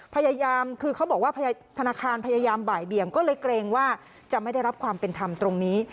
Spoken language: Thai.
พยายามคือเขาบอกว่าธนาคารพยายามบ่ายเบี่ยงก็เลยเกรงว่าจะไม่ได้รับความเป็นธรรมตรงนี้